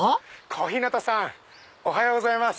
小日向さんおはようございます。